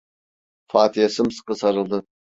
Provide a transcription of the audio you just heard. Fatih'e sımsıkı sarıldı.